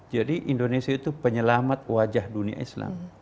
jadi indonesia itu penyelamat wajah dunia islam